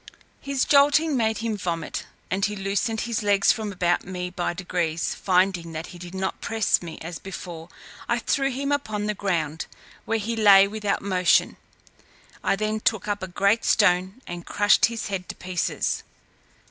His jolting made him vomit, and he loosened his legs from about me by degrees. Finding that he did not press me as before, I threw him upon the ground, where he lay without motion; I then took up a great stone, and crushed his head to pieces.